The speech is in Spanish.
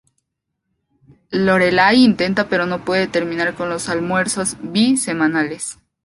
Lorelai intenta pero no puede terminar con los almuerzos bi semanales.